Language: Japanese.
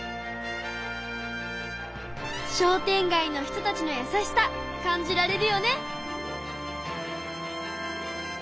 商店街の人たちのやさしさ感じられるよね。